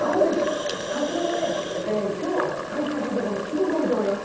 桜がね今日開花したところすごく多いと思います。